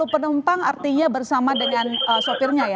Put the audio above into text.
sepuluh penumpang artinya bersama dengan sopirnya ya